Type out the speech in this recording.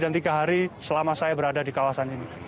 dan tiga hari selama saya berada di kawasan ini